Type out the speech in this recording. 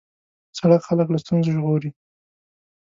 سړک خلک له ستونزو ژغوري.